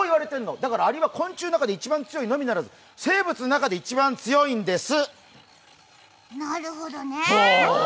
だからアリは昆虫の中で一番強いのみならず生物の中で一番強いんです！